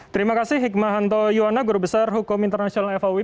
terima kasih hikmahanto yuwanna guru besar hukum international faoi